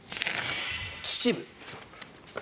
秩父。